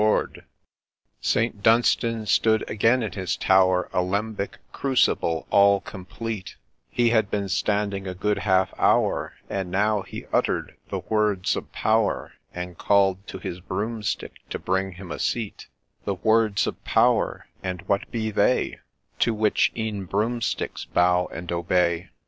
A B H I/A CAD AYR R A B/RAC APAB\R RA CAP AB A C AD A CAP St. Dunstan stood again in his tower, Alembic, crucible, all complete ; He had been standing a good half hour, And now he utter'd the words of power, And call'd to his Broomstick to bring him a seat. The words of power !— and what be they To which e'en Broomsticks bow and obey